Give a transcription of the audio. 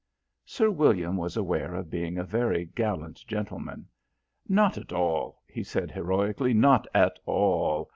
Sir William was aware of being a very gallant gentleman. "Not at all," he said heroically, "not at all.